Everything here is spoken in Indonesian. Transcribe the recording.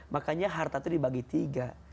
makanya harta itu dibagi tiga